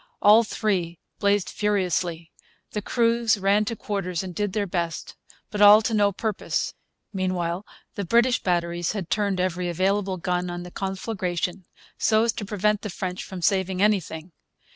All three blazed furiously. The crews ran to quarters and did their best. But all to no purpose. Meanwhile the British batteries had turned every available gun on the conflagration, so as to prevent the French from saving anything.